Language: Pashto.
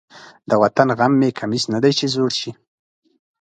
د وطن غم مې کمیس نه دی چې زوړ شي.